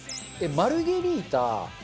マルゲリータ。